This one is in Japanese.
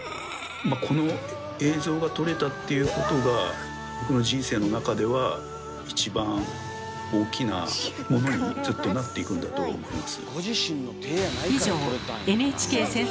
この映像が撮れたっていうことが一番大きなものにずっとなっていくんだと思います。